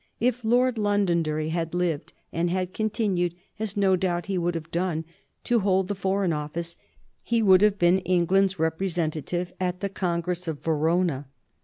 If Lord Londonderry had lived and had continued, as no doubt he would have done, to hold the Foreign Office, he would have been England's representative at the Congress of Verona.